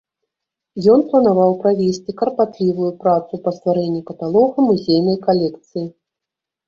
Ён планаваў правесці карпатлівую працу па стварэнні каталога музейнай калекцыі.